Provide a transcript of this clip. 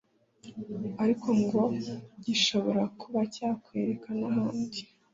ariko ngo gishobora kuba cya kwera n’ahandi